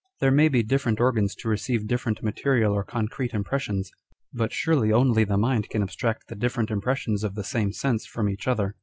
There may be different organs to receive different material or concrete impres sions, but surely only the mind can abstract the different impressions of the same sense from each other.